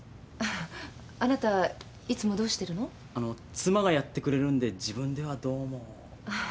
妻がやってくれるんで自分ではどうも。